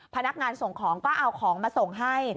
พนักงานส่งของก็เอาของมาส่งให้